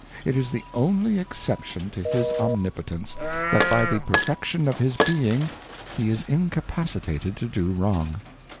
It is the only Exception to his Omni potence, that by the Perfection of his being he is incapacitated to do wrong.